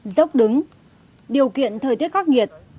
dốc đứng điều kiện thời tiết khắc nghiệt